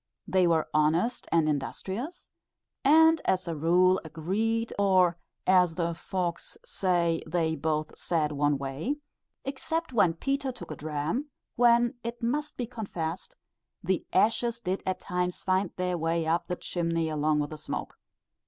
They were honest and industrious, and, as a rule, agreed, or as the folks say, they both "said one way," except when Peter took a dram, when, it must be confessed, the ashes did at times find their way up the chimney along with the smoke.